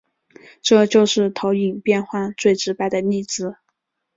这就是投影变换最直白的例子。